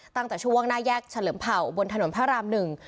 ตั้งแต่ช่วงหน้าแยกเฉลิมเผ่าบนถนนพระรามหนึ่ง